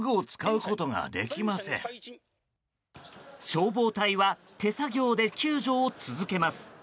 消防隊は手作業で救助を続けます。